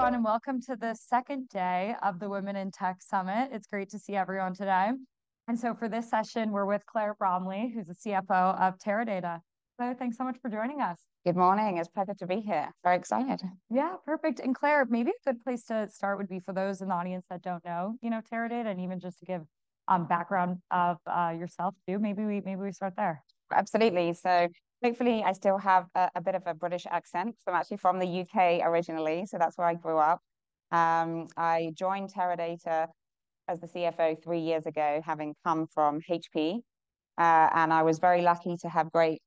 Everyone, and welcome to the second day of the Women in Tech Summit. It's great to see everyone today. For this session, we're with Claire Bramley, who's the CFO of Teradata. Claire, thanks so much for joining us. Good morning. It's perfect to be here. Very excited. Yeah, perfect. And Claire, maybe a good place to start would be for those in the audience that don't know, you know, Teradata, and even just to give background of yourself too. Maybe we start there. Absolutely. So hopefully I still have a bit of a British accent. I'm actually from the U.K. originally, so that's where I grew up. I joined Teradata as the CFO three years ago, having come from HP. And I was very lucky to have great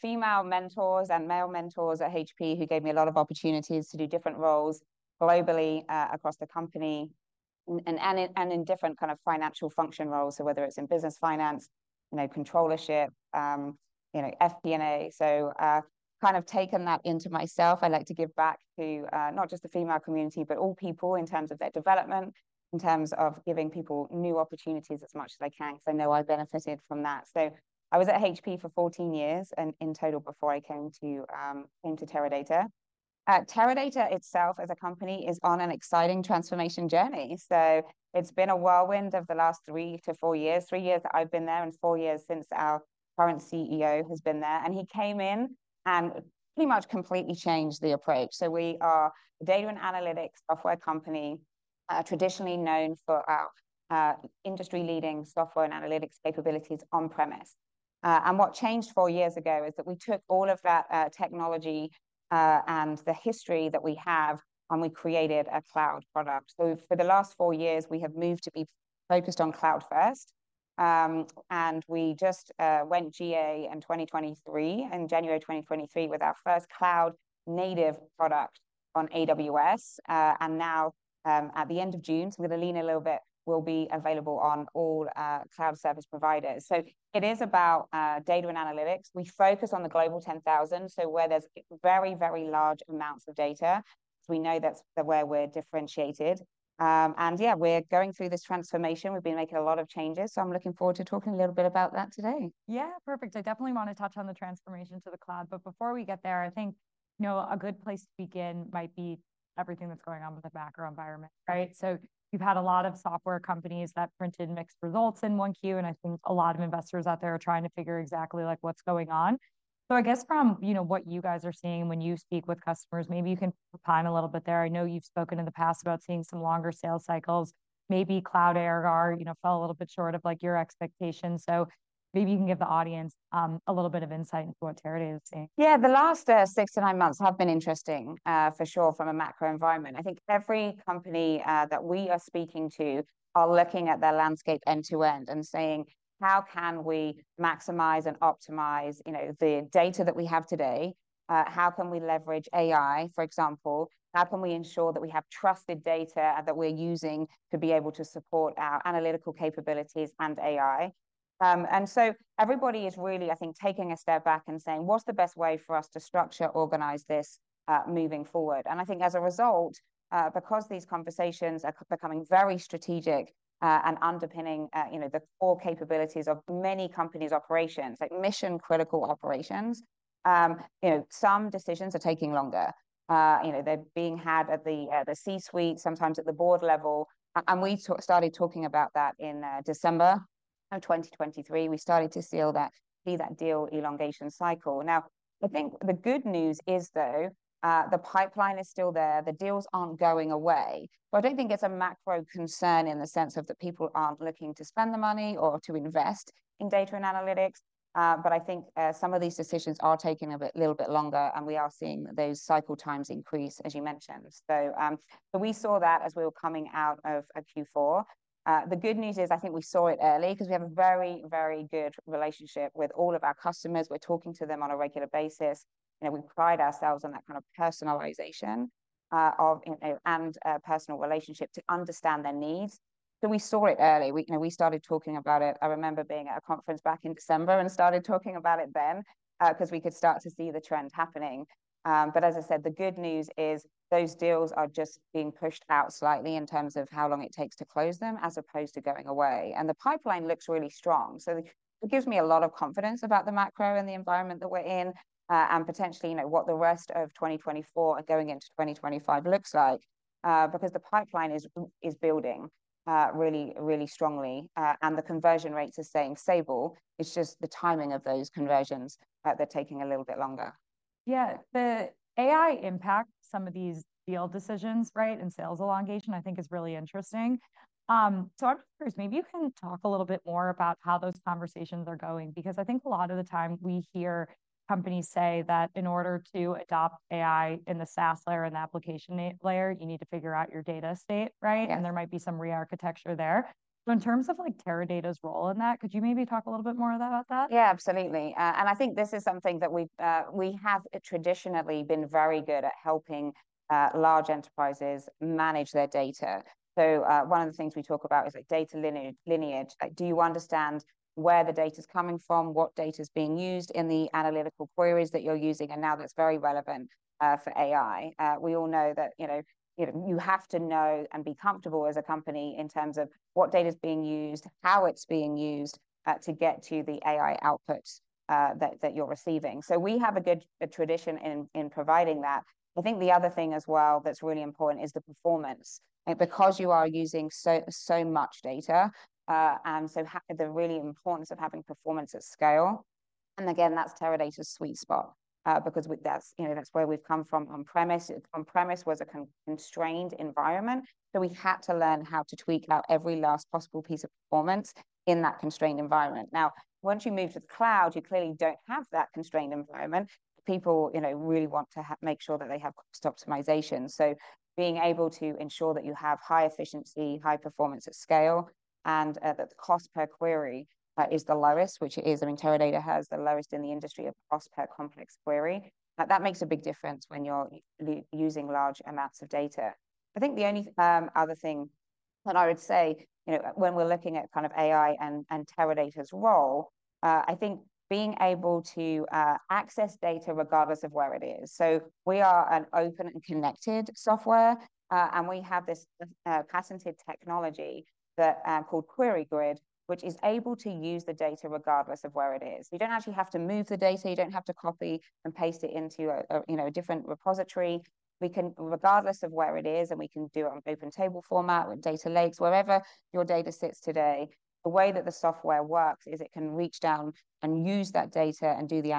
female mentors and male mentors at HP who gave me a lot of opportunities to do different roles globally across the company and in different kinds of financial function roles. So whether it's in business finance, you know, controllership, you know, FP&A. So kind of taken that into myself. I like to give back to not just the female community, but all people in terms of their development, in terms of giving people new opportunities as much as I can, because I know I benefited from that. So I was at HP for 14 years in total before I came to Teradata. Teradata itself as a company is on an exciting transformation journey. So it's been a whirlwind of the last three to four years, three years that I've been there and four years since our current CEO has been there. And he came in and pretty much completely changed the approach. So we are a data and analytics software company, traditionally known for our industry-leading software and analytics capabilities on-premises. And what changed four years ago is that we took all of that technology and the history that we have and we created a cloud product. So for the last four years, we have moved to be focused on cloud first. And we just went GA in 2023, in January 2023, with our first cloud-native product on AWS. And now at the end of June, so we're going to lean a little bit, we'll be available on all cloud service providers. It is about data and analytics. We focus on the global 10,000, so where there's very, very large amounts of data. We know that's where we're differentiated. Yeah, we're going through this transformation. We've been making a lot of changes. I'm looking forward to talking a little bit about that today. Yeah, perfect. I definitely want to touch on the transformation to the cloud. But before we get there, I think, you know, a good place to begin might be everything that's going on with the background environment, right? So you've had a lot of software companies that printed mixed results in Q1. And I think a lot of investors out there are trying to figure exactly like what's going on. So I guess from, you know, what you guys are seeing when you speak with customers, maybe you can opine a little bit there. I know you've spoken in the past about seeing some longer sales cycles. Maybe cloud ARR growth, you know, fell a little bit short of like your expectations. So maybe you can give the audience a little bit of insight into what Teradata is seeing. Yeah, the last six to nine months have been interesting for sure from a macro environment. I think every company that we are speaking to are looking at their landscape end to end and saying, how can we maximize and optimize, you know, the data that we have today? How can we leverage AI, for example? How can we ensure that we have trusted data that we're using to be able to support our analytical capabilities and AI? And so everybody is really, I think, taking a step back and saying, what's the best way for us to structure, organize this moving forward? And I think as a result, because these conversations are becoming very strategic and underpinning, you know, the core capabilities of many companies' operations, like mission-critical operations, you know, some decisions are taking longer. You know, they're being had at the C-suite, sometimes at the board level. We started talking about that in December of 2023. We started to see that deal elongation cycle. Now, I think the good news is though, the pipeline is still there. The deals aren't going away. But I don't think it's a macro concern in the sense of that people aren't looking to spend the money or to invest in data and analytics. But I think some of these decisions are taking a little bit longer. And we are seeing those cycle times increase, as you mentioned. So we saw that as we were coming out of Q4. The good news is I think we saw it early because we have a very, very good relationship with all of our customers. We're talking to them on a regular basis. You know, we pride ourselves on that kind of personalization and personal relationship to understand their needs. We saw it early. We started talking about it. I remember being at a conference back in December and started talking about it then because we could start to see the trend happening. As I said, the good news is those deals are just being pushed out slightly in terms of how long it takes to close them as opposed to going away. The pipeline looks really strong. It gives me a lot of confidence about the macro and the environment that we're in and potentially, you know, what the rest of 2024 and going into 2025 looks like because the pipeline is building really, really strongly. The conversion rates are staying stable. It's just the timing of those conversions that they're taking a little bit longer. Yeah, the AI impact some of these deal decisions, right, and sales elongation, I think is really interesting. So I'm curious, maybe you can talk a little bit more about how those conversations are going because I think a lot of the time we hear companies say that in order to adopt AI in the SaaS layer and the application layer, you need to figure out your data state, right? And there might be some re-architecture there. So in terms of like Teradata's role in that, could you maybe talk a little bit more about that? Yeah, absolutely. And I think this is something that we have traditionally been very good at helping large enterprises manage their data. So one of the things we talk about is like data lineage. Do you understand where the data is coming from, what data is being used in the analytical queries that you're using? And now that's very relevant for AI. We all know that, you know, you have to know and be comfortable as a company in terms of what data is being used, how it's being used to get to the AI outputs that you're receiving. So we have a good tradition in providing that. I think the other thing as well that's really important is the performance. Because you are using so much data, and so the real importance of having performance at scale. And again, that's Teradata's sweet spot because that's where we've come from on-premises. On-premises was a constrained environment. So we had to learn how to tweak out every last possible piece of performance in that constrained environment. Now, once you move to the cloud, you clearly don't have that constrained environment. People, you know, really want to make sure that they have cost optimization. So being able to ensure that you have high efficiency, high performance at scale, and that the cost per query is the lowest, which is, I mean, Teradata has the lowest in the industry of cost per complex query. That makes a big difference when you're using large amounts of data. I think the only other thing that I would say, you know, when we're looking at kind of AI and Teradata's role, I think being able to access data regardless of where it is. We are an open and connected software. We have this patented technology called QueryGrid, which is able to use the data regardless of where it is. You don't actually have to move the data. You don't have to copy and paste it into a different repository. We can, regardless of where it is, and we can do it on open table format with data lakes, wherever your data sits today. The way that the software works is it can reach down and use that data and do the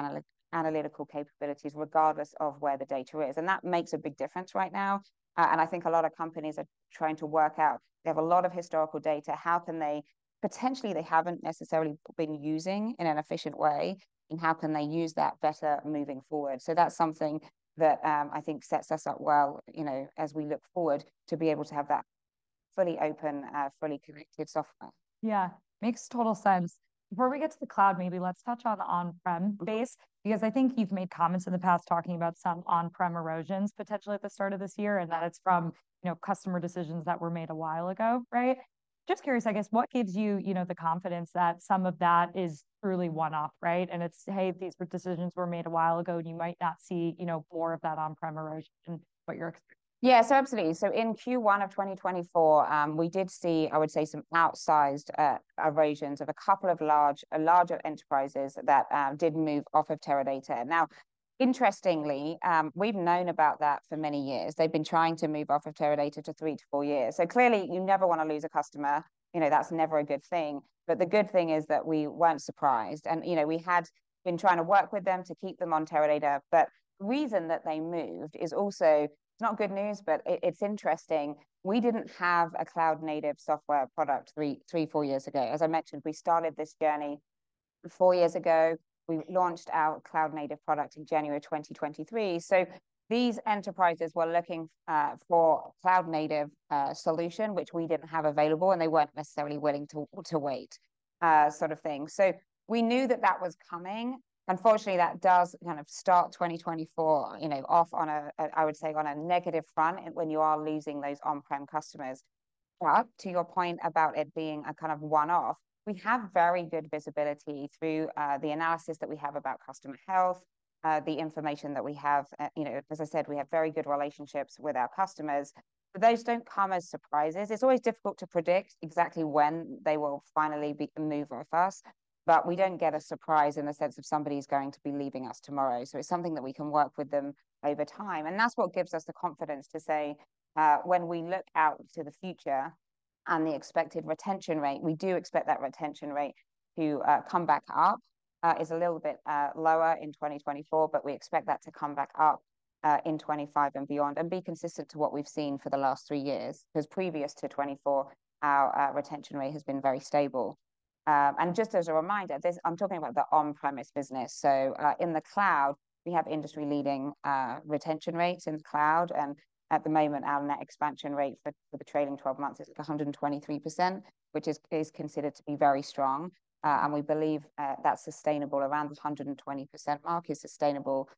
analytical capabilities regardless of where the data is. And that makes a big difference right now. I think a lot of companies are trying to work out, they have a lot of historical data. How can they potentially, they haven't necessarily been using in an efficient way. And how can they use that better moving forward? That's something that I think sets us up well, you know, as we look forward to be able to have that fully open, fully connected software. Yeah, makes total sense. Before we get to the cloud, maybe let's touch on the on-prem space because I think you've made comments in the past talking about some on-prem erosions potentially at the start of this year and that it's from, you know, customer decisions that were made a while ago, right? Just curious, I guess, what gives you, you know, the confidence that some of that is truly one-off, right? And it's, hey, these decisions were made a while ago and you might not see, you know, more of that on-prem erosion, but you're experiencing it. Yeah, so absolutely. So in Q1 of 2024, we did see, I would say, some outsized erosions of a couple of larger enterprises that did move off of Teradata. Now, interestingly, we've known about that for many years. They've been trying to move off of Teradata for three to four years. So clearly, you never want to lose a customer. You know, that's never a good thing. But the good thing is that we weren't surprised. And, you know, we had been trying to work with them to keep them on Teradata. But the reason that they moved is also, it's not good news, but it's interesting. We didn't have a cloud-native software product three or four years ago. As I mentioned, we started this journey four years ago. We launched our cloud-native product in January 2023. So these enterprises were looking for a cloud-native solution, which we didn't have available, and they weren't necessarily willing to wait sort of thing. So we knew that that was coming. Unfortunately, that does kind of start 2024, you know, off on a, I would say, on a negative front when you are losing those on-prem customers. But to your point about it being a kind of one-off, we have very good visibility through the analysis that we have about customer health, the information that we have. You know, as I said, we have very good relationships with our customers. But those don't come as surprises. It's always difficult to predict exactly when they will finally move with us. But we don't get a surprise in the sense of somebody's going to be leaving us tomorrow. So it's something that we can work with them over time. That's what gives us the confidence to say when we look out to the future and the expected retention rate, we do expect that retention rate to come back up. It's a little bit lower in 2024, but we expect that to come back up in 2025 and beyond and be consistent to what we've seen for the last three years because previous to 2024, our retention rate has been very stable. Just as a reminder, I'm talking about the on-premises business. So in the cloud, we have industry-leading retention rates in the cloud. And at the moment, our net expansion rate for the trailing 12 months is 123%, which is considered to be very strong. And we believe that sustainable around the 120% mark is sustainable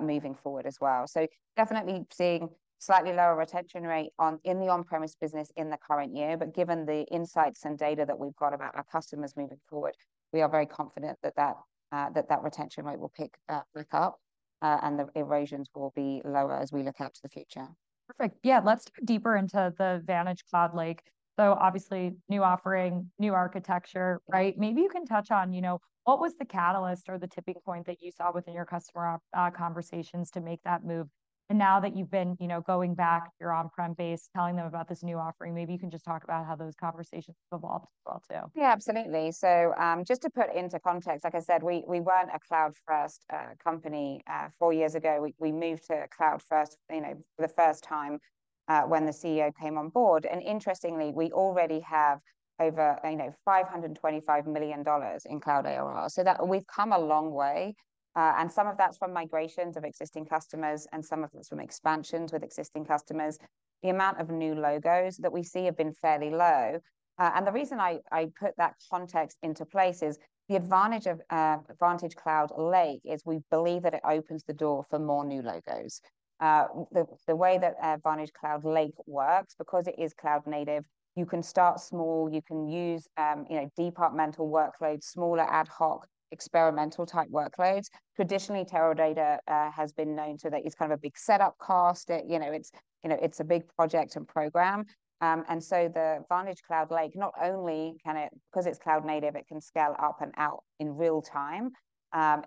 moving forward as well. So definitely seeing slightly lower retention rate in the on-premises business in the current year. But given the insights and data that we've got about our customers moving forward, we are very confident that that retention rate will pick up and the erosions will be lower as we look out to the future. Perfect. Yeah, let's dive deeper into the VantageCloud Lake. So obviously new offering, new architecture, right? Maybe you can touch on, you know, what was the catalyst or the tipping point that you saw within your customer conversations to make that move? And now that you've been, you know, going back to your on-prem base, telling them about this new offering, maybe you can just talk about how those conversations have evolved as well too. Yeah, absolutely. So just to put into context, like I said, we weren't a cloud-first company four years ago. We moved to cloud-first, you know, for the first time when the CEO came on board. And interestingly, we already have over, you know, $525 million in cloud ARR. So that we've come a long way. And some of that's from migrations of existing customers and some of it's from expansions with existing customers. The amount of new logos that we see have been fairly low. And the reason I put that context into place is the advantage of VantageCloud Lake is we believe that it opens the door for more new logos. The way that VantageCloud Lake works, because it is cloud-native, you can start small. You can use, you know, departmental workloads, smaller ad hoc experimental type workloads. Traditionally, Teradata has been known to that it's kind of a big setup cost. You know, it's, you know, it's a big project and program. And so the VantageCloud Lake, not only can it, because it's cloud-native, it can scale up and out in real time.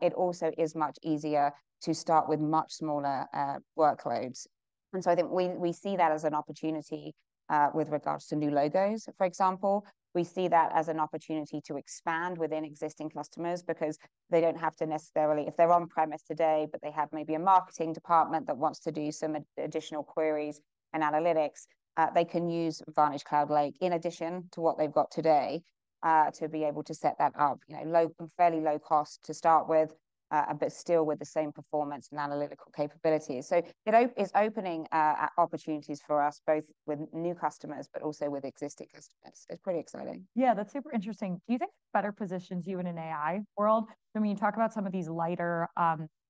It also is much easier to start with much smaller workloads. And so I think we see that as an opportunity with regards to new logos. For example, we see that as an opportunity to expand within existing customers because they don't have to necessarily, if they're on-premises today, but they have maybe a marketing department that wants to do some additional queries and analytics, they can use VantageCloud Lake in addition to what they've got today to be able to set that up, you know, fairly low cost to start with, but still with the same performance and analytical capabilities. It is opening opportunities for us both with new customers, but also with existing customers. It's pretty exciting. Yeah, that's super interesting. Do you think it better positions you in an AI world? I mean, you talk about some of these lighter,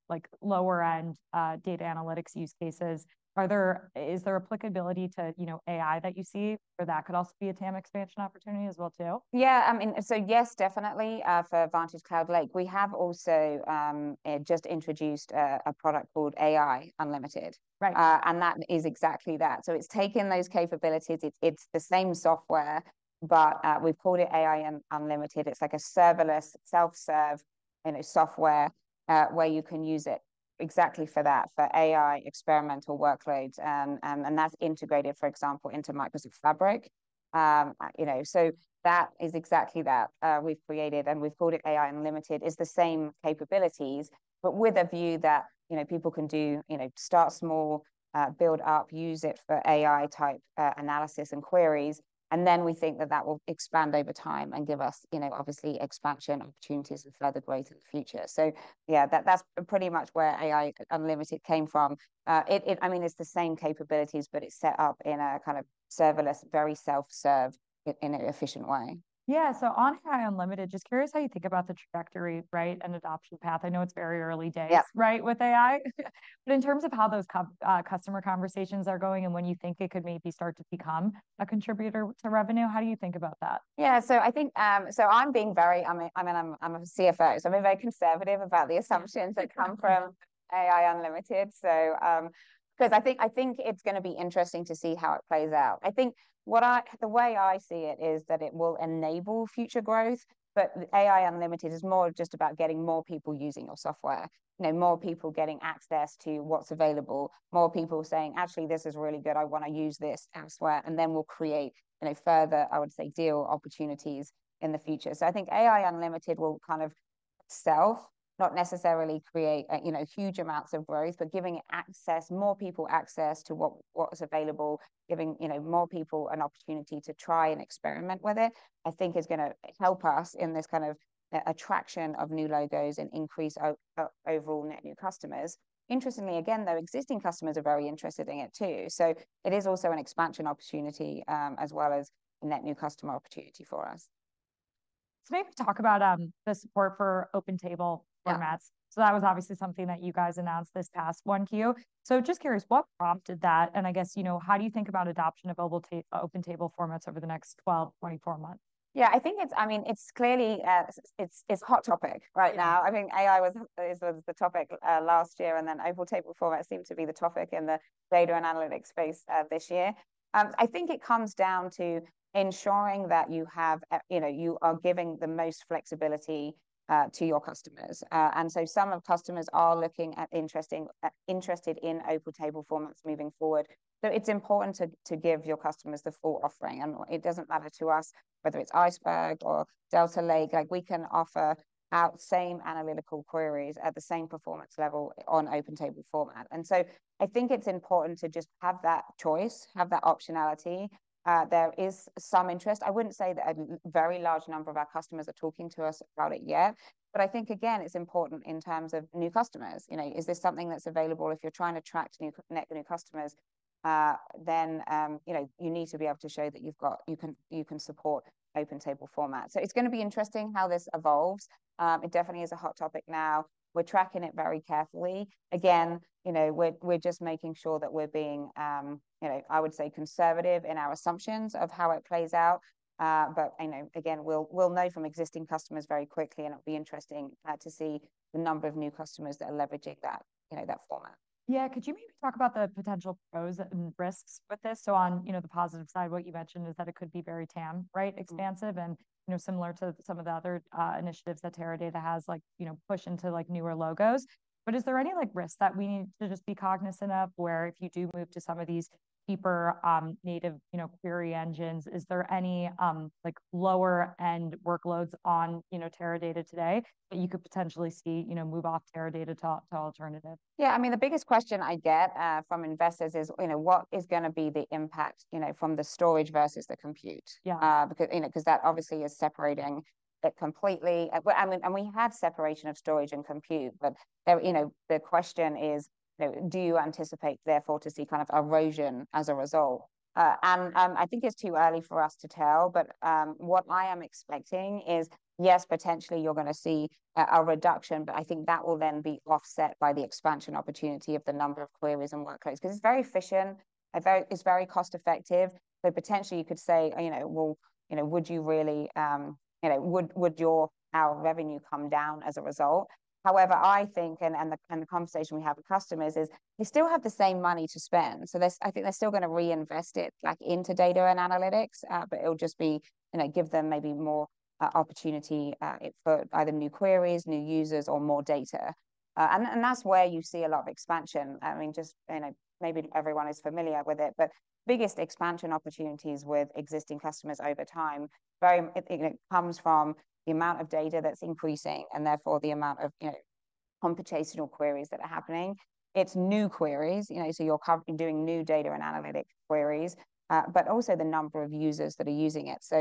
like lower-end data analytics use cases. Is there applicability to, you know, AI that you see where that could also be a TAM expansion opportunity as well too? Yeah, I mean, so yes, definitely for VantageCloud Lake. We have also just introduced a product called AI Unlimited. And that is exactly that. So it's taken those capabilities. It's the same software, but we've called it AI Unlimited. It's like a serverless self-serve, you know, software where you can use it exactly for that, for AI experimental workloads. And that's integrated, for example, into Microsoft Fabric. You know, so that is exactly that we've created and we've called it AI Unlimited is the same capabilities, but with a view that, you know, people can do, you know, start small, build up, use it for AI type analysis and queries. And then we think that that will expand over time and give us, you know, obviously expansion opportunities and further growth in the future. So yeah, that's pretty much where AI Unlimited came from. I mean, it's the same capabilities, but it's set up in a kind of serverless, very self-serve in an efficient way. Yeah, so on AI Unlimited, just curious how you think about the trajectory, right, and adoption path. I know it's very early days, right, with AI. But in terms of how those customer conversations are going and when you think it could maybe start to become a contributor to revenue, how do you think about that? Yeah, so I think, so I'm being very, I mean, I'm a CFO, so I'm very conservative about the assumptions that come from AI Unlimited. So, because I think it's going to be interesting to see how it plays out. I think what I, the way I see it is that it will enable future growth, but AI Unlimited is more just about getting more people using your software, you know, more people getting access to what's available, more people saying, actually, this is really good, I want to use this elsewhere, and then we'll create, you know, further, I would say, deal opportunities in the future. So I think AI Unlimited will kind of itself not necessarily create, you know, huge amounts of growth, but giving access, more people access to what's available, giving, you know, more people an opportunity to try and experiment with it, I think is going to help us in this kind of attraction of new logos and increase overall net new customers. Interestingly, again, though, existing customers are very interested in it too. So it is also an expansion opportunity as well as net new customer opportunity for us. So maybe talk about the support for open table formats. That was obviously something that you guys announced this past 1Q. Just curious, what prompted that? And I guess, you know, how do you think about adoption of open table formats over the next 12, 24 months? Yeah, I think it's, I mean, it's clearly, it's a hot topic right now. I mean, AI was the topic last year, and then open table formats seem to be the topic in the data and analytics space this year. I think it comes down to ensuring that you have, you know, you are giving the most flexibility to your customers. And so some customers are interested in open table formats moving forward. So it's important to give your customers the full offering. And it doesn't matter to us whether it's Iceberg or Delta Lake, like we can offer the same analytical queries at the same performance level on open table format. And so I think it's important to just have that choice, have that optionality. There is some interest. I wouldn't say that a very large number of our customers are talking to us about it yet. But I think, again, it's important in terms of new customers. You know, is this something that's available? If you're trying to attract new customers, then, you know, you need to be able to show that you've got, you can support open table format. So it's going to be interesting how this evolves. It definitely is a hot topic now. We're tracking it very carefully. Again, you know, we're just making sure that we're being, you know, I would say conservative in our assumptions of how it plays out. But, you know, again, we'll know from existing customers very quickly, and it'll be interesting to see the number of new customers that are leveraging that, you know, that format. Yeah, could you maybe talk about the potential pros and risks with this? So, on, you know, the positive side, what you mentioned is that it could be very TAM, right, expansive and, you know, similar to some of the other initiatives that Teradata has, like, you know, push into like newer logos. But is there any like risks that we need to just be cognizant of where if you do move to some of these deeper native, you know, query engines, is there any like lower-end workloads on, you know, Teradata today that you could potentially see, you know, move off Teradata to alternatives? Yeah, I mean, the biggest question I get from investors is, you know, what is going to be the impact, you know, from the storage versus the compute? Because, you know, because that obviously is separating it completely. We have separation of storage and compute, but there, you know, the question is, you know, do you anticipate therefore to see kind of erosion as a result? I think it's too early for us to tell, but what I am expecting is, yes, potentially you're going to see a reduction, but I think that will then be offset by the expansion opportunity of the number of queries and workloads. Because it's very efficient, it's very cost-effective, but potentially you could say, you know, well, you know, would you really, you know, would your revenue come down as a result? However, I think, and the conversation we have with customers is they still have the same money to spend. So I think they're still going to reinvest it like into data and analytics, but it'll just be, you know, give them maybe more opportunity for either new queries, new users, or more data. And that's where you see a lot of expansion. I mean, just, you know, maybe everyone is familiar with it, but biggest expansion opportunities with existing customers over time, very, you know, comes from the amount of data that's increasing and therefore the amount of, you know, computational queries that are happening. It's new queries, you know, so you're doing new data and analytic queries, but also the number of users that are using it. So,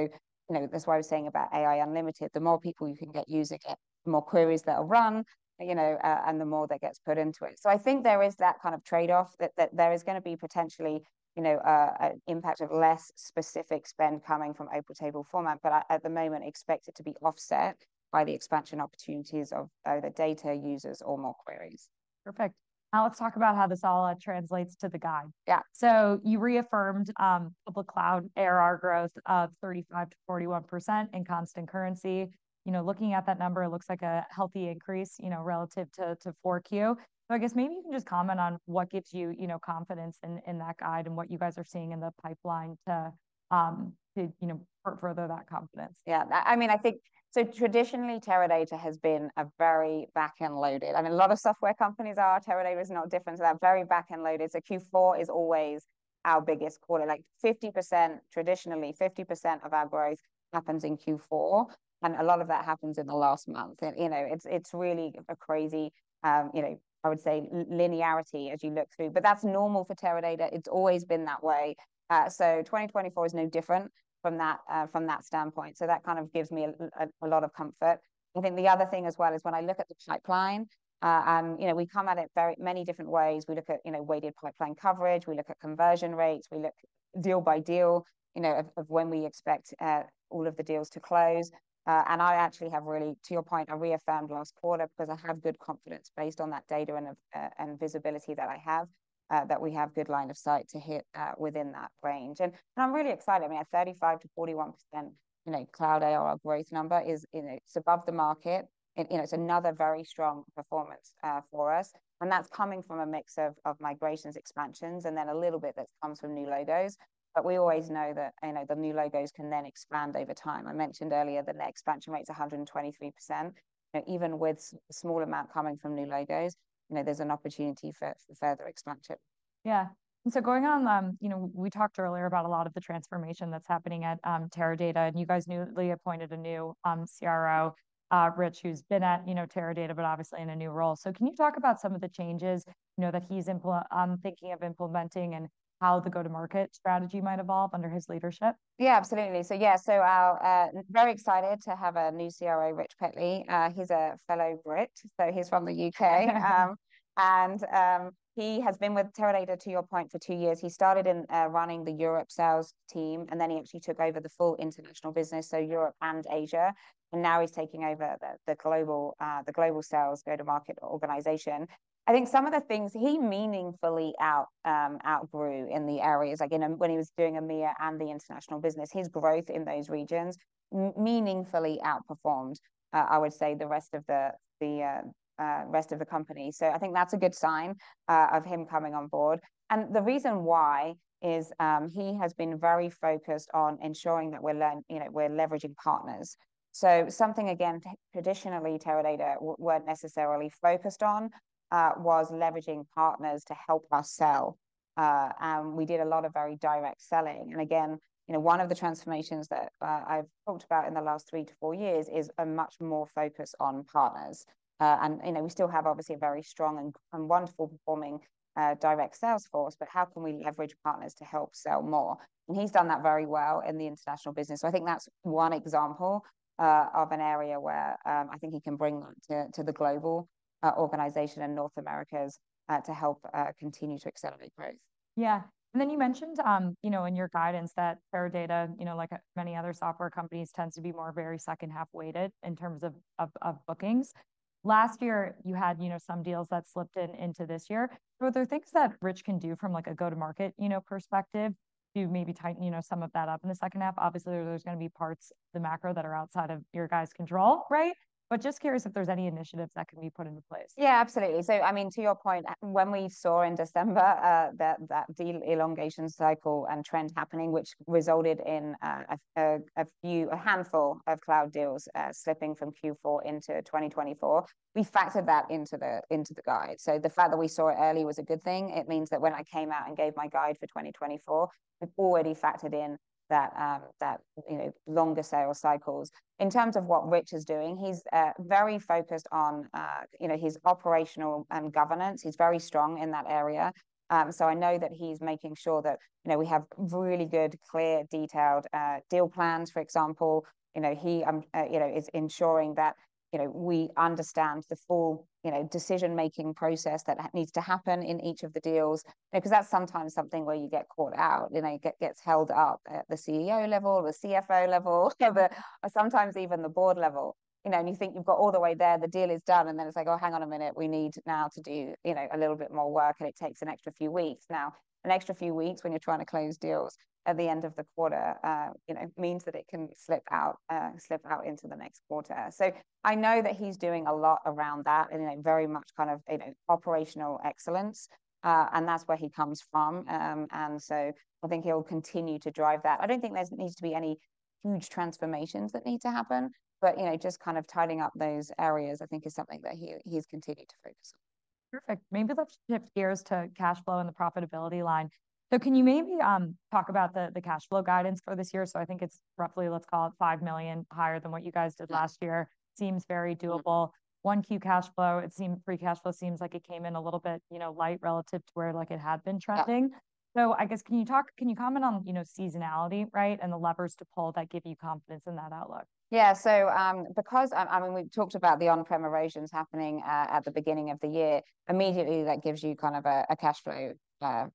you know, that's why I was saying about AI Unlimited, the more people you can get using it, the more queries that are run, you know, and the more that gets put into it. So I think there is that kind of trade-off that there is going to be potentially, you know, an impact of less specific spend coming from open table format, but at the moment expect it to be offset by the expansion opportunities of either data users or more queries. Perfect. Now let's talk about how this all translates to the guide. Yeah. So you reaffirmed public cloud ARR growth of 35%-41% in constant currency. You know, looking at that number, it looks like a healthy increase, you know, relative to 4Q. So I guess maybe you can just comment on what gives you, you know, confidence in that guide and what you guys are seeing in the pipeline to, you know, further that confidence. Yeah, I mean, I think so. Traditionally Teradata has been a very back-end loaded. I mean, a lot of software companies are, Teradata is no different to that, very back-end loaded. So Q4 is always our biggest quarter, like 50%, traditionally 50% of our growth happens in Q4. And a lot of that happens in the last month. And, you know, it's really a crazy, you know, I would say linearity as you look through, but that's normal for Teradata. It's always been that way. So 2024 is no different from that standpoint. So that kind of gives me a lot of comfort. I think the other thing as well is when I look at the pipeline, you know, we come at it very many different ways. We look at, you know, weighted pipeline coverage. We look at conversion rates. We look deal by deal, you know, of when we expect all of the deals to close. And I actually have really, to your point, I reaffirmed last quarter because I have good confidence based on that data and visibility that I have that we have good line of sight to hit within that range. And I'm really excited. I mean, a 35%-41%, you know, cloud ARR growth number is, you know, it's above the market. You know, it's another very strong performance for us. And that's coming from a mix of migrations, expansions, and then a little bit that comes from new logos. But we always know that, you know, the new logos can then expand over time. I mentioned earlier that the expansion rate is 123%. You know, even with a small amount coming from new logos, you know, there's an opportunity for further expansion. Yeah. And so going on, you know, we talked earlier about a lot of the transformation that's happening at Teradata. And you guys newly appointed a new CRO, Rich, who's been at, you know, Teradata, but obviously in a new role. So can you talk about some of the changes, you know, that he's thinking of implementing and how the go-to-market strategy might evolve under his leadership? Yeah, absolutely. So yeah, so I'm very excited to have a new CRO, Rich Petley. He's a fellow Brit, so he's from the U.K. And he has been with Teradata, to your point, for two years. He started in running the Europe sales team, and then he actually took over the full international business, so Europe and Asia. And now he's taking over the global sales go-to-market organization. I think some of the things he meaningfully outgrew in the areas, like when he was doing EMEA and the international business, his growth in those regions meaningfully outperformed, I would say, the rest of the rest of the company. So I think that's a good sign of him coming on board. And the reason why is he has been very focused on ensuring that we're leveraging partners. So, something, again, traditionally Teradata weren't necessarily focused on was leveraging partners to help us sell. We did a lot of very direct selling. Again, you know, one of the transformations that I've talked about in the last three to four years is a much more focus on partners. You know, we still have obviously a very strong and wonderful performing direct sales force, but how can we leverage partners to help sell more? He's done that very well in the international business. So, I think that's one example of an area where I think he can bring to the global organization and North America to help continue to accelerate growth. Yeah. And then you mentioned, you know, in your guidance that Teradata, you know, like many other software companies tends to be more very second-half weighted in terms of bookings. Last year, you had, you know, some deals that slipped into this year. So are there things that Rich can do from like a go-to-market, you know, perspective to maybe tighten, you know, some of that up in the second half? Obviously, there's going to be parts of the macro that are outside of your guys' control, right? But just curious if there's any initiatives that can be put into place. Yeah, absolutely. So, I mean, to your point, when we saw in December that that deal elongation cycle and trend happening, which resulted in a few, a handful of cloud deals slipping from Q4 into 2024, we factored that into the guide. So the fact that we saw it early was a good thing. It means that when I came out and gave my guide for 2024, we've already factored in that, you know, longer sales cycles. In terms of what Rich is doing, he's very focused on, you know, his operational and governance. He's very strong in that area. So I know that he's making sure that, you know, we have really good, clear, detailed deal plans, for example. You know, he, you know, is ensuring that, you know, we understand the full, you know, decision-making process that needs to happen in each of the deals. Because that's sometimes something where you get caught out, you know, gets held up at the CEO level or the CFO level, but sometimes even the board level. You know, and you think you've got all the way there, the deal is done, and then it's like, oh, hang on a minute, we need now to do, you know, a little bit more work, and it takes an extra few weeks. Now, an extra few weeks when you're trying to close deals at the end of the quarter, you know, means that it can slip out, slip out into the next quarter. So I know that he's doing a lot around that and very much kind of, you know, operational excellence. And that's where he comes from. And so I think he'll continue to drive that. I don't think there needs to be any huge transformations that need to happen, but, you know, just kind of tidying up those areas, I think is something that he's continued to focus on. Perfect. Maybe let's shift gears to cash flow and the profitability line. So can you maybe talk about the cash flow guidance for this year? So I think it's roughly, let's call it $5 million higher than what you guys did last year. Seems very doable. 1Q cash flow, it seemed free cash flow seems like it came in a little bit, you know, light relative to where like it had been trending. So I guess can you talk, can you comment on, you know, seasonality, right, and the levers to pull that give you confidence in that outlook? Yeah, so because, I mean, we talked about the on-prem erosions happening at the beginning of the year, immediately that gives you kind of a cash flow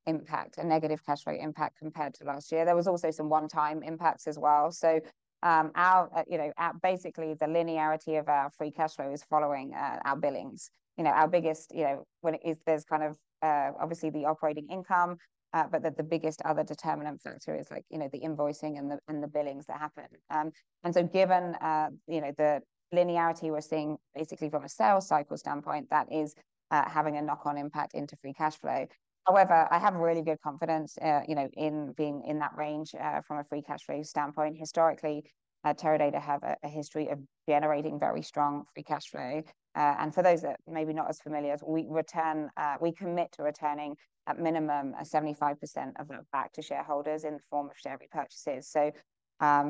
impact, a negative cash flow impact compared to last year. There was also some one-time impacts as well. So our, you know, basically the linearity of our free cash flow is following our billings. You know, our biggest, you know, when there's kind of obviously the operating income, but that the biggest other determinant factor is like, you know, the invoicing and the billings that happen. And so given, you know, the linearity we're seeing basically from a sales cycle standpoint, that is having a knock-on impact into free cash flow. However, I have really good confidence, you know, in being in that range from a free cash flow standpoint. Historically, Teradata have a history of generating very strong free cash flow. For those that may be not as familiar, we return, we commit to returning at minimum 75% of that back to shareholders in the form of share repurchases. So,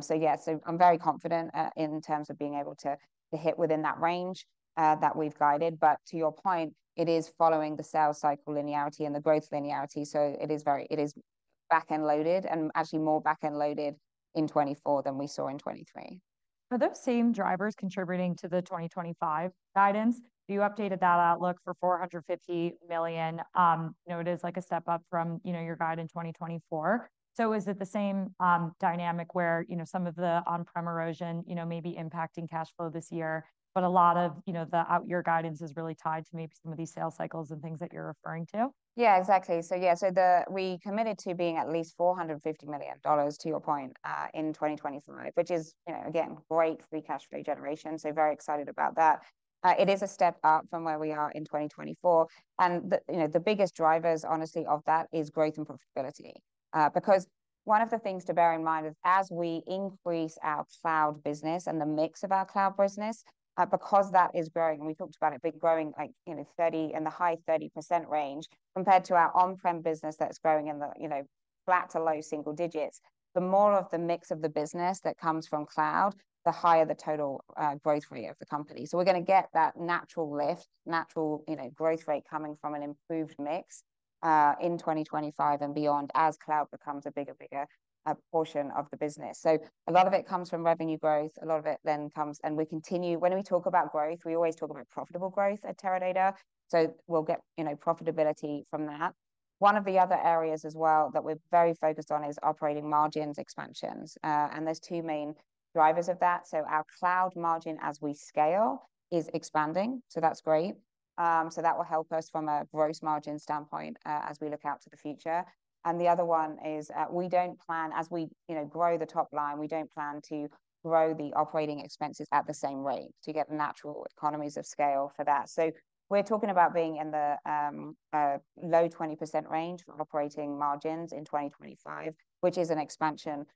so yeah, so I'm very confident in terms of being able to hit within that range that we've guided. But to your point, it is following the sales cycle linearity and the growth linearity. So it is very, it is back-end loaded and actually more back-end loaded in 2024 than we saw in 2023. Are those same drivers contributing to the 2025 guidance? You updated that outlook for $450 million. You know, it is like a step up from, you know, your guide in 2024. So is it the same dynamic where, you know, some of the on-prem erosion, you know, may be impacting cash flow this year, but a lot of, you know, the out-year guidance is really tied to maybe some of these sales cycles and things that you're referring to? Yeah, exactly. So yeah, we committed to being at least $450 million to your point in 2025, which is, you know, again, great free cash flow generation. So very excited about that. It is a step up from where we are in 2024. And, you know, the biggest drivers honestly of that is growth and profitability. Because one of the things to bear in mind is as we increase our cloud business and the mix of our cloud business, because that is growing, and we talked about it, been growing like, you know, 30% and the high 30% range compared to our on-prem business that's growing in the, you know, flat to low single digits, the more of the mix of the business that comes from cloud, the higher the total growth rate of the company. So we're going to get that natural lift, natural, you know, growth rate coming from an improved mix in 2025 and beyond as cloud becomes a bigger, bigger portion of the business. So a lot of it comes from revenue growth. A lot of it then comes, and we continue, when we talk about growth, we always talk about profitable growth at Teradata. So we'll get, you know, profitability from that. One of the other areas as well that we're very focused on is operating margins expansions. And there's two main drivers of that. So our cloud margin as we scale is expanding. So that's great. So that will help us from a gross margin standpoint as we look out to the future. And the other one is we don't plan as we, you know, grow the top line, we don't plan to grow the operating expenses at the same rate to get natural economies of scale for that. So we're talking about being in the low 20% range for operating margins in 2025, which is an expansion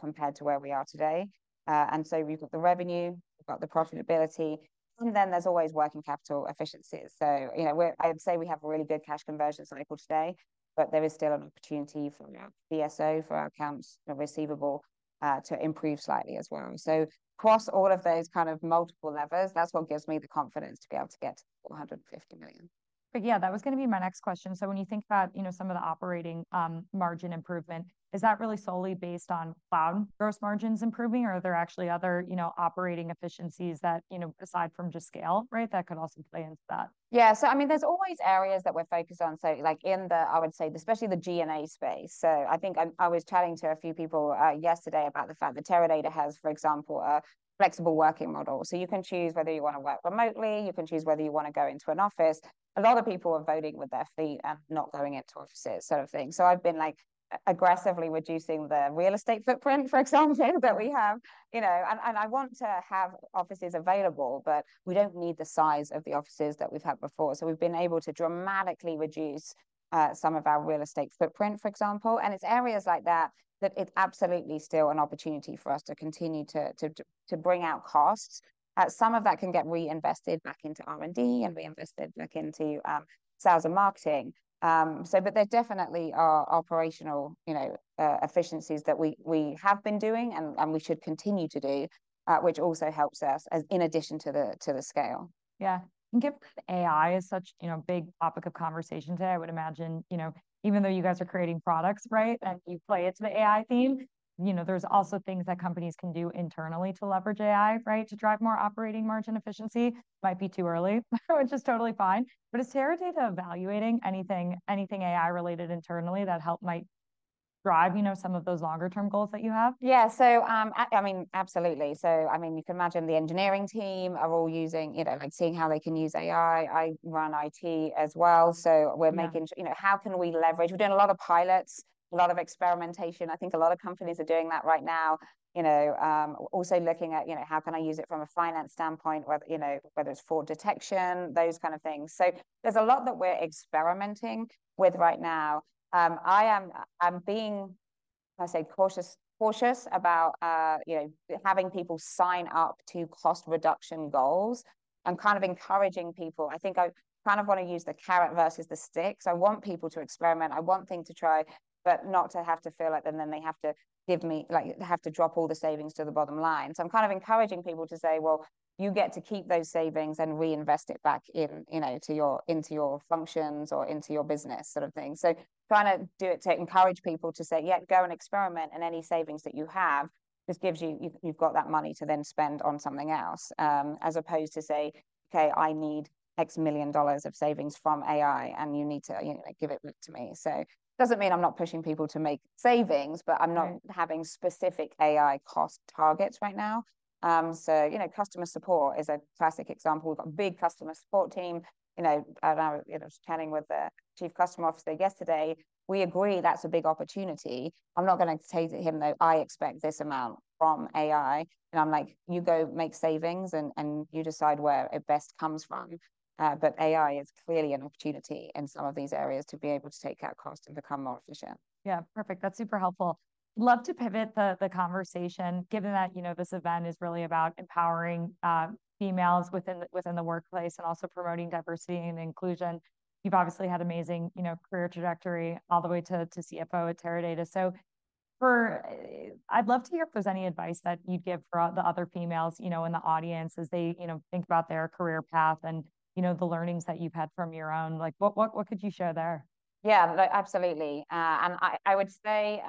compared to where we are today. And so we've got the revenue, we've got the profitability, and then there's always working capital efficiencies. So, you know, I'd say we have a really good cash conversion cycle today, but there is still an opportunity for our DSO, for our accounts receivable to improve slightly as well. So across all of those kind of multiple levers, that's what gives me the confidence to be able to get to $450 million. But yeah, that was going to be my next question. So when you think about, you know, some of the operating margin improvement, is that really solely based on cloud gross margins improving or are there actually other, you know, operating efficiencies that, you know, aside from just scale, right, that could also play into that? Yeah, so I mean, there's always areas that we're focused on. So like in the, I would say, especially the G&A space. So I think I was chatting to a few people yesterday about the fact that Teradata has, for example, a flexible working model. So you can choose whether you want to work remotely, you can choose whether you want to go into an office. A lot of people are voting with their feet and not going into offices sort of thing. So I've been like aggressively reducing the real estate footprint, for example, that we have, you know, and I want to have offices available, but we don't need the size of the offices that we've had before. So we've been able to dramatically reduce some of our real estate footprint, for example. It's areas like that that it's absolutely still an opportunity for us to continue to bring out costs. Some of that can get reinvested back into R&D and reinvested back into sales and marketing. But there definitely are operational, you know, efficiencies that we have been doing and we should continue to do, which also helps us in addition to the scale. Yeah. Given that AI is such, you know, big topic of conversation today, I would imagine, you know, even though you guys are creating products, right, and you play it to the AI theme, you know, there's also things that companies can do internally to leverage AI, right, to drive more operating margin efficiency. Might be too early, which is totally fine. But is Teradata evaluating anything, anything AI related internally that help might drive, you know, some of those longer-term goals that you have? Yeah, so I mean, absolutely. So I mean, you can imagine the engineering team are all using, you know, like seeing how they can use AI. I run IT as well. So we're making, you know, how can we leverage; we've done a lot of pilots, a lot of experimentation. I think a lot of companies are doing that right now, you know, also looking at, you know, how can I use it from a finance standpoint, whether, you know, whether it's fraud detection, those kind of things. So there's a lot that we're experimenting with right now. I am being, I say, cautious about, you know, having people sign up to cost reduction goals and kind of encouraging people. I think I kind of want to use the carrot versus the sticks. I want people to experiment. I want things to try, but not to have to feel like then they have to give me, like they have to drop all the savings to the bottom line. So I'm kind of encouraging people to say, well, you get to keep those savings and reinvest it back in, you know, to your functions or into your business sort of thing. So trying to do it to encourage people to say, yeah, go and experiment and any savings that you have, this gives you, you've got that money to then spend on something else as opposed to say, okay, I need $X million of savings from AI and you need to, you know, like give it back to me. So it doesn't mean I'm not pushing people to make savings, but I'm not having specific AI cost targets right now. So, you know, customer support is a classic example. We've got a big customer support team. You know, I was chatting with the Chief Customer Officer yesterday, we agree that's a big opportunity. I'm not going to say to him that I expect this amount from AI. And I'm like, you go make savings and you decide where it best comes from. But AI is clearly an opportunity in some of these areas to be able to take that cost and become more efficient. Yeah, perfect. That's super helpful. Love to pivot the conversation given that, you know, this event is really about empowering females within the workplace and also promoting diversity and inclusion. You've obviously had amazing, you know, career trajectory all the way to CFO at Teradata. So for, I'd love to hear if there's any advice that you'd give for the other females, you know, in the audience as they, you know, think about their career path and, you know, the learnings that you've had from your own. Like what could you share there? Yeah, absolutely. And I would say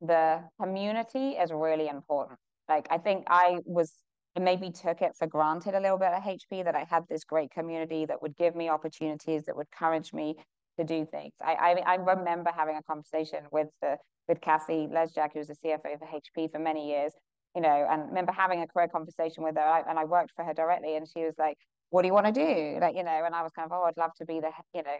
the community is really important. Like I think I was, I maybe took it for granted a little bit at HP that I had this great community that would give me opportunities that would encourage me to do things. I remember having a conversation with Cathie Lesjak, who was the CFO for HP for many years, you know, and remember having a career conversation with her. And I worked for her directly and she was like, what do you want to do? Like, you know, and I was kind of, oh, I'd love to be the, you know,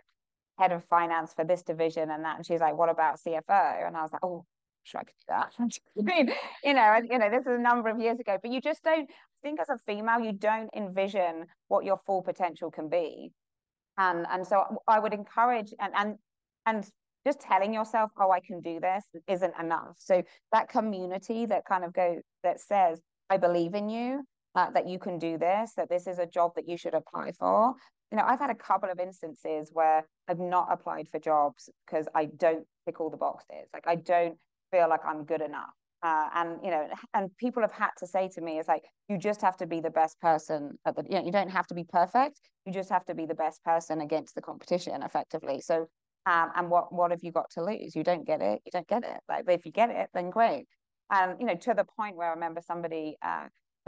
head of finance for this division and that. And she's like, what about CFO? And I was like, oh, I'm sure I could do that. I mean, you know, you know, this is a number of years ago, but you just don't, I think as a female, you don't envision what your full potential can be. And so I would encourage and just telling yourself, oh, I can do this isn't enough. So that community that kind of goes, that says, I believe in you, that you can do this, that this is a job that you should apply for. You know, I've had a couple of instances where I've not applied for jobs because I don't tick all the boxes. Like I don't feel like I'm good enough. And, you know, and people have had to say to me, it's like, you just have to be the best person at the, you know, you don't have to be perfect. You just have to be the best person against the competition effectively. So, and what have you got to lose? You don't get it. You don't get it. Like if you get it, then great. And, you know, to the point where I remember somebody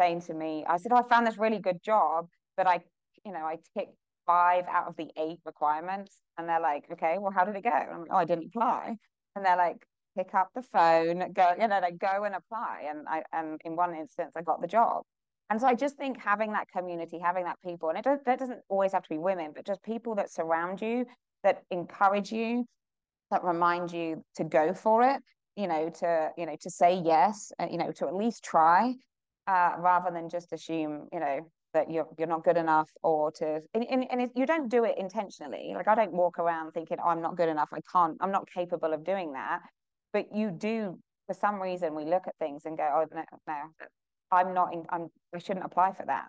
saying to me, I said, oh, I found this really good job, but I, you know, I ticked five out of the eight requirements. And they're like, okay, well, how did it go? I'm like, oh, I didn't apply. And they're like, pick up the phone, go, you know, like go and apply. And in one instance, I got the job. I just think having that community, having that people, and it doesn't always have to be women, but just people that surround you, that encourage you, that remind you to go for it, you know, to, you know, to say yes, you know, to at least try rather than just assume, you know, that you're not good enough or to, and you don't do it intentionally. Like I don't walk around thinking, oh, I'm not good enough. I can't, I'm not capable of doing that. But you do, for some reason, we look at things and go, oh, no, I'm not, I shouldn't apply for that.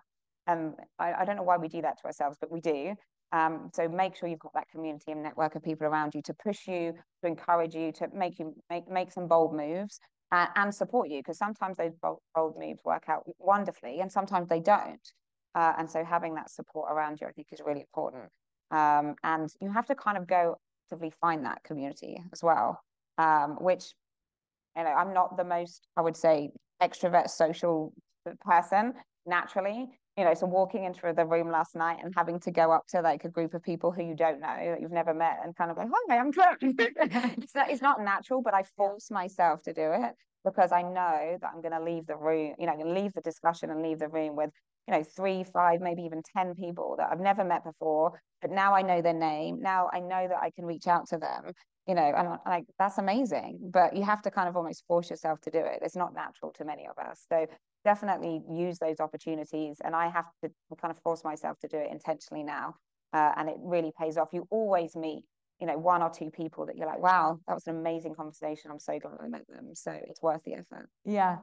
And I don't know why we do that to ourselves, but we do. So make sure you've got that community and network of people around you to push you, to encourage you, to make you make some bold moves and support you. Because sometimes those bold moves work out wonderfully and sometimes they don't. And so having that support around you, I think, is really important. And you have to kind of go actively find that community as well, which, you know, I'm not the most, I would say, extrovert social person naturally, you know, so walking into the room last night and having to go up to like a group of people who you don't know, that you've never met and kind of like, hi, I'm great. It's not natural, but I force myself to do it because I know that I'm going to leave the room, you know, I'm going to leave the discussion and leave the room with, you know, three, five, maybe even 10 people that I've never met before, but now I know their name. Now I know that I can reach out to them, you know, and I'm like, that's amazing. But you have to kind of almost force yourself to do it. It's not natural to many of us. So definitely use those opportunities. And I have to kind of force myself to do it intentionally now. And it really pays off. You always meet, you know, one or two people that you're like, wow, that was an amazing conversation. I'm so glad I met them. So it's worth the effort. Yeah.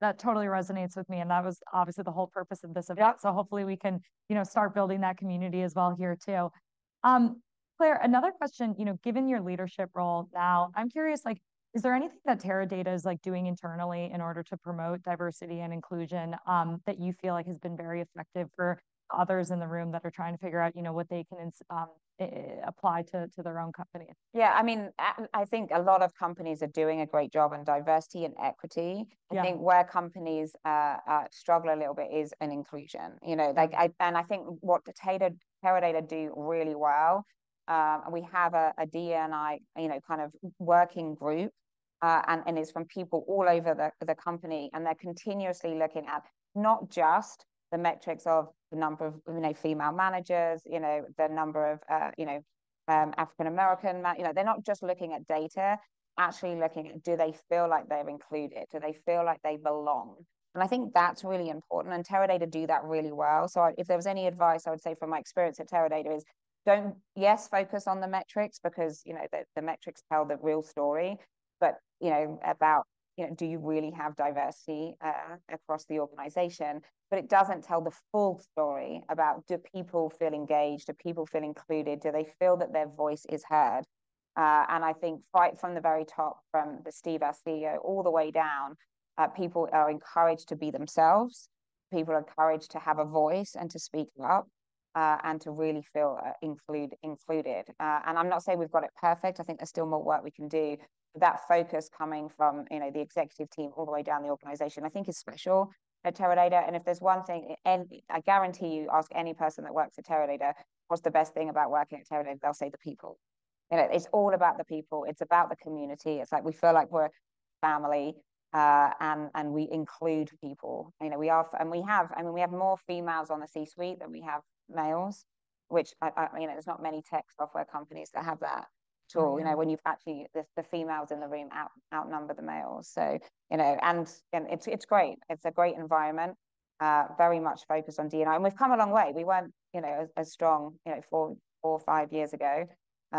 That totally resonates with me. That was obviously the whole purpose of this event. Hopefully we can, you know, start building that community as well here too. Claire, another question, you know, given your leadership role now, I'm curious, like, is there anything that Teradata is like doing internally in order to promote diversity and inclusion that you feel like has been very effective for others in the room that are trying to figure out, you know, what they can apply to their own company? Yeah, I mean, I think a lot of companies are doing a great job on diversity and equity. I think where companies struggle a little bit is in inclusion. You know, like, and I think what Teradata do really well, we have a D&I, you know, kind of working group and it's from people all over the company and they're continuously looking at not just the metrics of the number of female managers, you know, the number of, you know, African American, you know, they're not just looking at data, actually looking at do they feel like they're included? Do they feel like they belong? And I think that's really important and Teradata do that really well. So if there was any advice I would say from my experience at Teradata is don't, yes, focus on the metrics because, you know, the metrics tell the real story, but, you know, about, you know, do you really have diversity across the organization? But it doesn't tell the full story about do people feel engaged, do people feel included, do they feel that their voice is heard? And I think right from the very top, from the Steve as CEO all the way down, people are encouraged to be themselves. People are encouraged to have a voice and to speak up and to really feel included. And I'm not saying we've got it perfect. I think there's still more work we can do. But that focus coming from, you know, the executive team all the way down the organization, I think is special at Teradata. And if there's one thing, and I guarantee you ask any person that works at Teradata, what's the best thing about working at Teradata? They'll say the people. You know, it's all about the people. It's about the community. It's like we feel like we're family and we include people. You know, we are, and we have, I mean, we have more females on the C-suite than we have males, which, you know, there's not many tech software companies that have that too. You know, when you actually have the females in the room outnumber the males. So, you know, and it's great. It's a great environment, very much focused on D&I. And we've come a long way. We weren't, you know, as strong, you know, four or five years ago.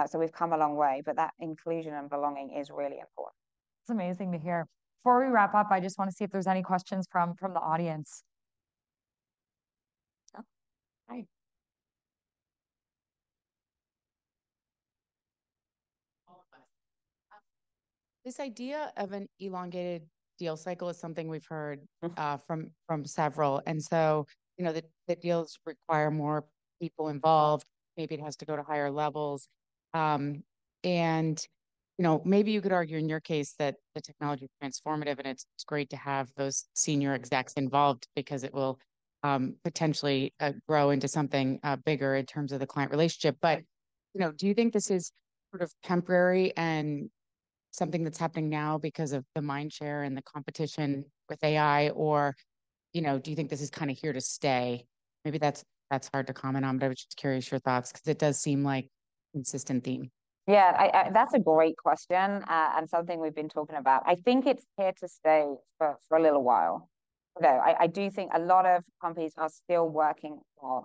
So we've come a long way, but that inclusion and belonging is really important. That's amazing to hear. Before we wrap up, I just want to see if there's any questions from the audience. This idea of an elongated deal cycle is something we've heard from several. So, you know, the deals require more people involved. Maybe it has to go to higher levels. You know, maybe you could argue in your case that the technology is transformative and it's great to have those senior execs involved because it will potentially grow into something bigger in terms of the client relationship. But, you know, do you think this is sort of temporary and something that's happening now because of the mind share and the competition with AI or, you know, do you think this is kind of here to stay? Maybe that's hard to comment on, but I was just curious your thoughts because it does seem like a consistent theme. Yeah, that's a great question and something we've been talking about. I think it's here to stay for a little while. I do think a lot of companies are still working on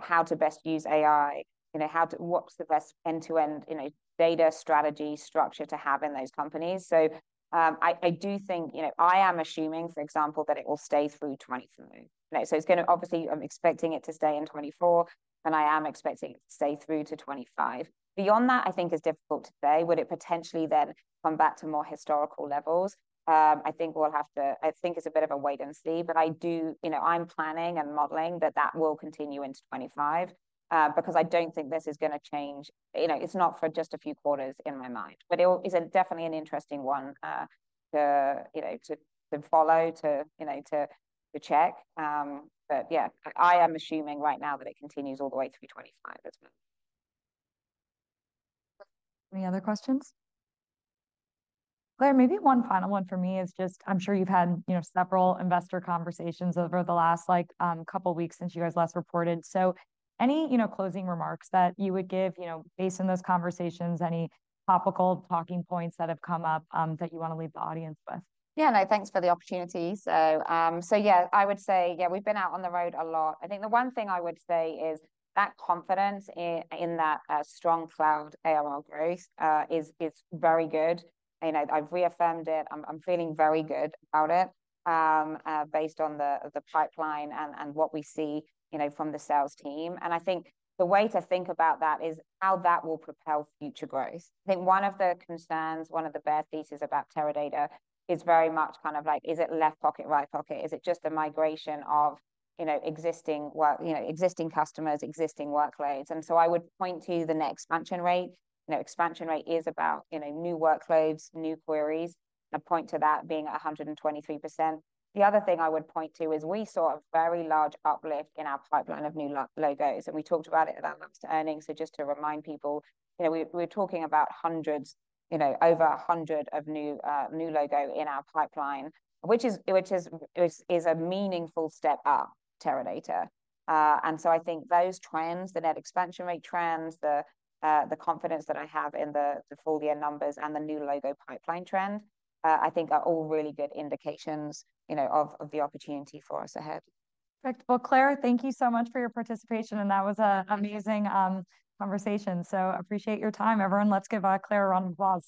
how to best use AI, you know, how to, what's the best end-to-end, you know, data strategy structure to have in those companies. So I do think, you know, I am assuming, for example, that it will stay through 2023. So it's going to, obviously, I'm expecting it to stay in 2024 and I am expecting it to stay through to 2025. Beyond that, I think is difficult to say. Would it potentially then come back to more historical levels? I think we'll have to, I think it's a bit of a wait and see, but I do, you know, I'm planning and modeling that that will continue into 2025 because I don't think this is going to change, you know, it's not for just a few quarters in my mind, but it is definitely an interesting one to, you know, to follow, to, you know, to check. But yeah, I am assuming right now that it continues all the way through 2025 as well. Any other questions? Claire, maybe one final one for me is just, I'm sure you've had, you know, several investor conversations over the last like couple of weeks since you guys last reported. So any, you know, closing remarks that you would give, you know, based on those conversations, any topical talking points that have come up that you want to leave the audience with? Yeah, no, thanks for the opportunity. So, so yeah, I would say, yeah, we've been out on the road a lot. I think the one thing I would say is that confidence in that strong cloud ARR growth is very good. You know, I've reaffirmed it. I'm feeling very good about it based on the pipeline and what we see, you know, from the sales team. And I think the way to think about that is how that will propel future growth. I think one of the concerns, one of the bear theses about Teradata is very much kind of like, is it left pocket, right pocket? Is it just a migration of, you know, existing work, you know, existing customers, existing workloads? And so I would point to the net expansion rate. You know, expansion rate is about, you know, new workloads, new queries. I point to that being 123%. The other thing I would point to is we saw a very large uplift in our pipeline of new logos. And we talked about it at that last earnings. So just to remind people, you know, we're talking about hundreds, you know, over 100 of new logo in our pipeline, which is a meaningful step up Teradata. And so I think those trends, the net expansion rate trends, the confidence that I have in the full year numbers and the new logo pipeline trend, I think are all really good indications, you know, of the opportunity for us ahead. Well, Claire, thank you so much for your participation. That was an amazing conversation. So appreciate your time, everyone. Let's give Claire a round of applause.